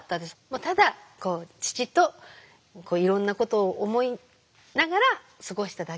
ただこう父といろんなことを思いながら過ごしただけで。